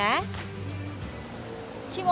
cimol ini identiknya ketika kita menggoreng cimol